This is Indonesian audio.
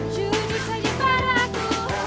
jujur saja padaku